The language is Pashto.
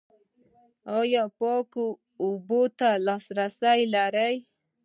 ایا پاکو اوبو ته لاسرسی لرئ؟